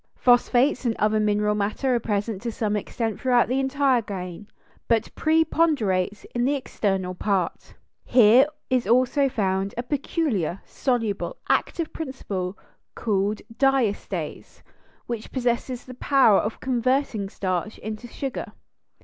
] Phosphates and other mineral matter are present to some extent throughout the entire grain, but preponderates in the external part. Here is also found a peculiar, soluble, active principle called diastase, which possesses the power of converting starch into sugar.